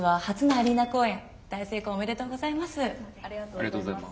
ありがとうございます。